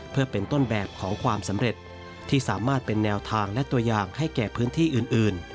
เพื่อเป็นต้นแบบของความสำเร็จที่สามารถเป็นแนวทางและตัวอย่างให้แก่พื้นที่อื่น